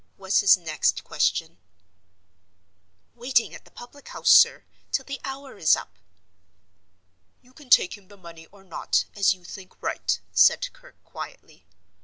was his next question. "Waiting at the public house, sir, till the hour is up." "You can take him the money or not, as you think right," said Kirke, quietly.